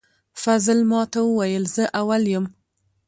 فضل ماته وویل زه اول یم